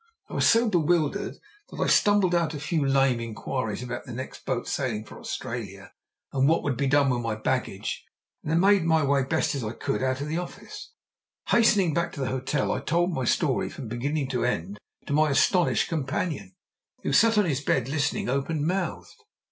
I was so bewildered that I stumbled out a few lame inquiries about the next boat sailing for Australia, and what would be done with my baggage, and then made my way as best I could out of the office. Hastening back to the hotel, I told my story from beginning to end to my astonished companion, who sat on his bed listening open mouthed.